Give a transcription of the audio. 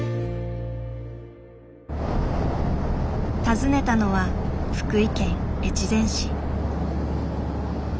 訪ねたのは福井県越前市。